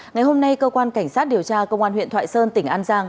ngày hôm nay cơ quan cảnh sát điều tra công an huyện thoại sơn tỉnh an giang